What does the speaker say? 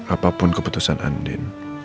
apapun keputusan andin